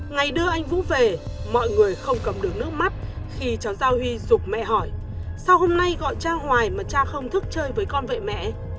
ngày đưa anh vũ về mọi người không cầm được nước mắt khi cháu gia huy rục mẹ hỏi sau hôm nay gọi cha hoài mà cha không thức chơi với con vậy mẹ